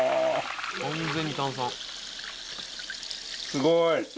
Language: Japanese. すごい！